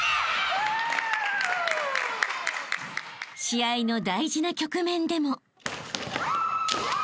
［試合の大事な局面でも］